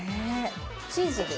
チーズです。